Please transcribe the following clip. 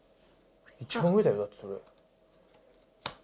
一番上だよ、だってそれ。